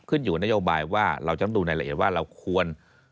ขึ้นอยู่กับนโยบายว่าเราจะต้องดูในละเอียดว่าเราควร